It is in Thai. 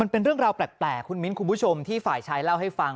เป็นเรื่องราวแปลกคุณมิ้นคุณผู้ชมที่ฝ่ายชายเล่าให้ฟัง